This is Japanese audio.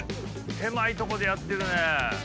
狭いとこでやってるね。